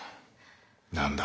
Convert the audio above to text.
何だ？